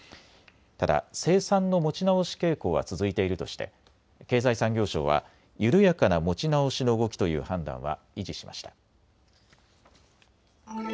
ただ生産の持ち直し傾向は続いているとして経済産業省は緩やかな持ち直しの動きという判断は維持しました。